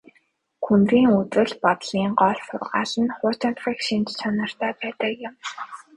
Күнзийн үзэл бодлын гол сургаал нь хуучинсаг шинж чанартай байдаг юм.